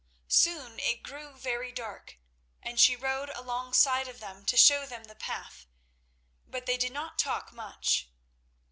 Soon it grew very dark, and she rode alongside of them to show them the path, but they did not talk much.